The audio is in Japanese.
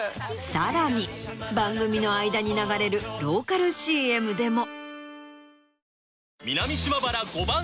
さらに番組の間に流れるローカルＣＭでも。